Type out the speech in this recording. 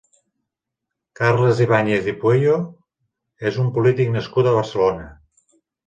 Carles Ibàñez i Pueyo és un polític nascut a Barcelona.